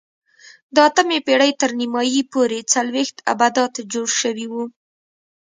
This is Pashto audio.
د اتمې پېړۍ تر نیمايي پورې څلوېښت ابدات جوړ شوي وو.